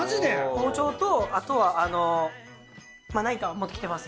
包丁とあとはまな板を持ってきてます。